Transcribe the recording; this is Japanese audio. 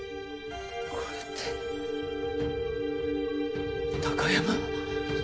これって貴山？